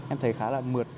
em thấy khá là đẹp